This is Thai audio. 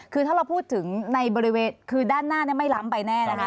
คือถ้าเราพูดถึงในบริเวณคือด้านหน้าไม่ล้ำไปแน่นะคะ